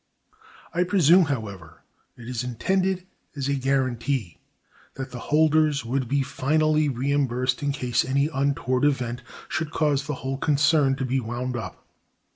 I presume, however, it is intended as a guarantee that the holders would be finally reimbursed, in case any untoward event should cause the whole concern to be wound up.